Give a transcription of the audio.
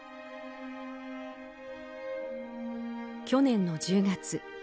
去年の１０月。